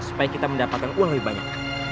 supaya kita mendapatkan uang lebih banyak